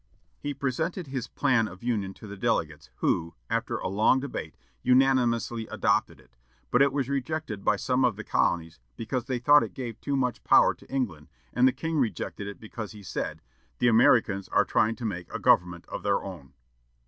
He presented his plan of union to the delegates, who, after a long debate, unanimously adopted it, but it was rejected by some of the colonies because they thought it gave too much power to England, and the king rejected it because he said, "The Americans are trying to make a government of their own."